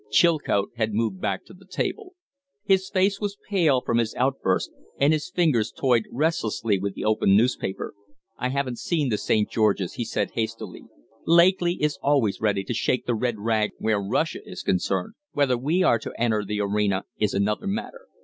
Chilcote had moved back to the table. His face was pale from his outburst and his fingers toyed restlessly with the open newspaper. "I haven't seen the 'St. George's'," he said, hastily. "Lakely is always ready to shake the red rag where Russia is concerned; whether we are to enter the arena is another matter.